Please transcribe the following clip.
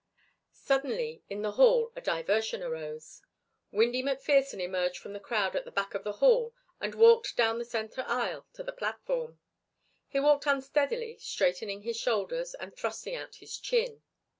Suddenly in the hall a diversion arose. Windy McPherson emerged from the crowd at the back of the hall and walked down the centre aisle to the platform. He walked unsteadily straightening his shoulders and thrusting out his chin.